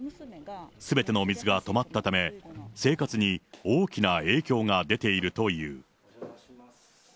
すべての水が止まったため、生活に大きな影響が出ているという。